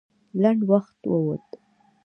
لنډ وخت ووت.